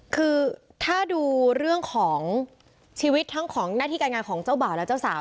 คือถ้าดูเรื่องของชีวิตทั้งของหน้าที่การงานของเจ้าบ่าวและเจ้าสาว